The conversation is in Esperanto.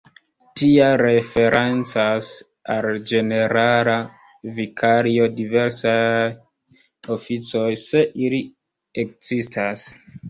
Tial referencas al ĝenerala vikario diversaj oficoj, se ili ekzistas.